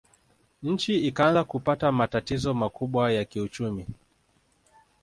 Nchi ikaanza kupata matatizo makubwa ya kiuchumi